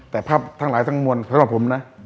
แต่ภาพทั้งหลายทั้งมวลเพราะฉะนั้นผมนะ